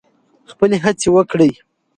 خپلې هڅې وکړئ.